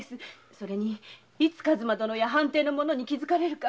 それにいつ数馬殿や藩邸の者に気づかれるか。